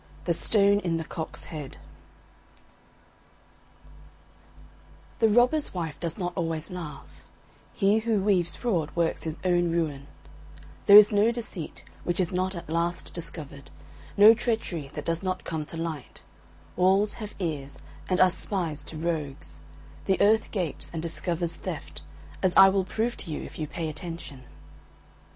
XX THE STONE IN THE COCK'S HEAD The robber's wife does not always laugh; he who weaves fraud works his own ruin; there is no deceit which is not at last discovered, no treachery that does not come to light; walls have ears, and are spies to rogues; the earth gapes and discovers theft, as I will prove to you if you pay attention.